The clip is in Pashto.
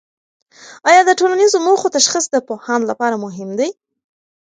آیا د ټولنیزو موخو تشخیص د پوهاند لپاره مهم دی؟